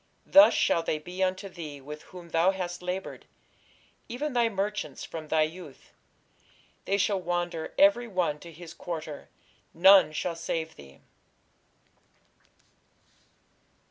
Thus shall they be unto thee with whom thou hast laboured, even thy merchants, from thy youth: they shall wander every one to his quarter; none shall save thee.